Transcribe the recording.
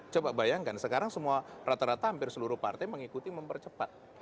coba bayangkan sekarang semua rata rata hampir seluruh partai mengikuti mempercepat